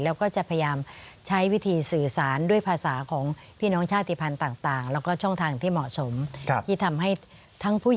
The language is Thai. แล้วก็จะพยายามใช้วิธีสื่อสารด้วยภาษาของพี่น้องชาติภัณฑ์ต่าง